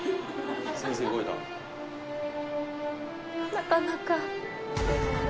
「なかなか」